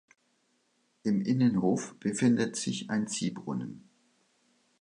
Im Innenhof befindet sich ein Ziehbrunnen.